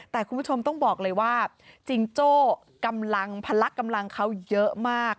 แต่คุณผู้ชมต้องบอกเลยว่าจิงโจ้กำลังพลักกำลังเขาเยอะมาก